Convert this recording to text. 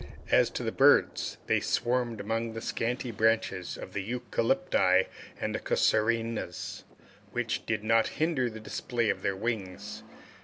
As to the birds, they swarmed among the scanty branches of the eucalypti and casuarinas, which did not hinder the display of their wings.